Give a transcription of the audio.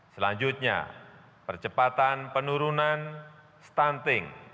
selanjutnya percepatan penurunan stunting